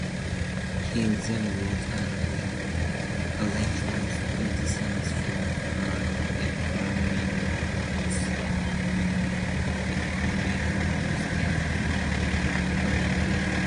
He then wrote and arranged most of the songs for her eponymous debut album.